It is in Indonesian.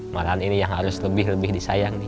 malahan ini yang harus lebih lebih disayang nih